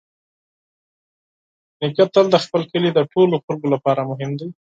نیکه تل د خپل کلي د ټولو خلکو لپاره مهم دی.